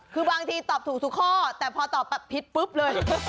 คือบางทีตอบถูกทุกข้อแต่พอตอบแบบผิดปุ๊บเลย